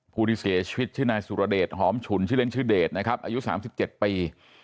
ผู้ที่เสียชีวิตชื่อนายสุรเดชหอมฉุนชื่อเล่นชื่อเดชนะครับอายุ๓๗ปี